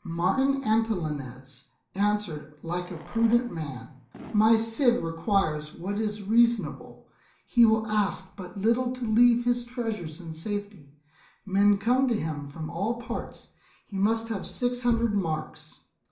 Martin Antolinez answered like a prudent man, "My Cid requires what is reasonable; he will ask but little to leave his treasures in safety. Men come to him from all parts. He must have six hundred marks."